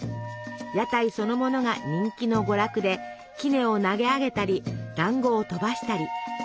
屋台そのものが人気の娯楽できねを投げ上げたりだんごを飛ばしたり。